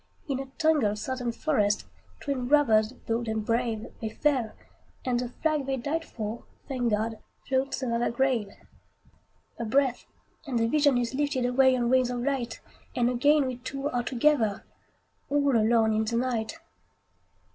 In a tangled Southern forest, Twin brothers bold and brave, They fell; and the flag they died for, Thank God! floats over their grave. A breath, and the vision is lifted Away on wings of light, And again we two are together, All alone in the night.